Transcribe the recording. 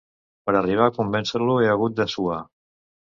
Per a arribar a convèncer-lo he hagut de suar.